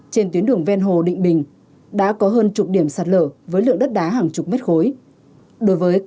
trên tuyến đường ven hồ định bình đã có hơn chục điểm sạt lở với lượng đất đá hàng chục mét khối